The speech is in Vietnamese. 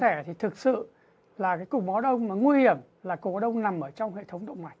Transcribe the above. sẽ là thực sự là cục máu đông nguy hiểm là cục máu đông nằm trong hệ thống động mạch